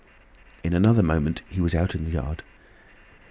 In another moment he was out in the yard.